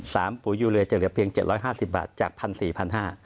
สามปูยูเรียจะเหลือเพียง๗๕๐บาทจาก๑๔๐๐๑๕๐๐บาท